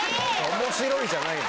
面白いじゃないよ。